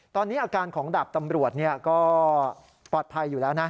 ตอนนี้อาการของดาบตำรวจก็ปลอดภัยอยู่แล้วนะ